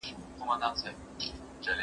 که وخت وي، وخت تېرووم!.